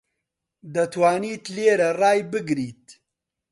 دەتوانیت لێرە ڕای بگریت؟